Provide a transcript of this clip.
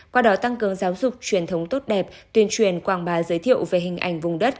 qua đó tăng cường giáo dục truyền thống tốt đẹp tuyên truyền quảng bá giới thiệu về hình ảnh vùng đất